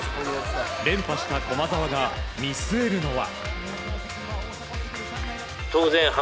連覇した駒澤が見据えるのは。